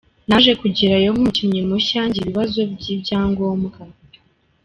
Naje kugerayo nk’umukinnyi mushya ngira ibibazo by’ibyangombwa.